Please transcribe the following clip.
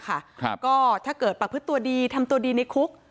ก็ถ้าเกิดประพฤติตัวดีทำตัวดีในคุก